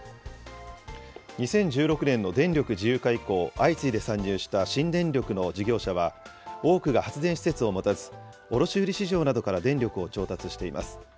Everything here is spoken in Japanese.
２０１６年の電力自由化以降、相次いで参入した新電力の事業者は、多くが発電施設を持たず、卸売市場などから電力を調達しています。